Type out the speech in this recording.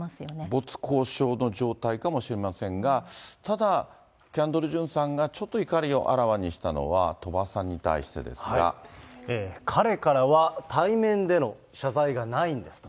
没交渉の状態かもしれませんが、ただ、キャンドル・ジュンさんがちょっと怒りをあらわにしたのは、鳥羽さんに対してですが。彼からは対面での謝罪がないんですと。